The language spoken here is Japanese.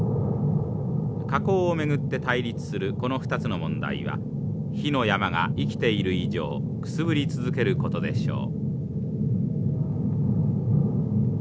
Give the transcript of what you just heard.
火口を巡って対立するこの２つの問題は火の山が生きている以上くすぶり続けることでしょう。